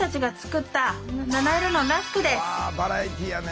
うわバラエティーやね。